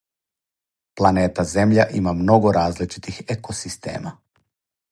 Планета Земља има много различитих екосистема.